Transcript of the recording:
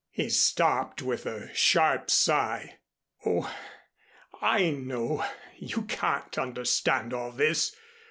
He stopped, with a sharp sigh. "Oh, I know you can't understand all this.